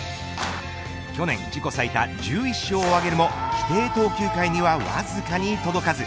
去年、自己最多１１勝を挙げるも規定投球回にはわずかに届かず。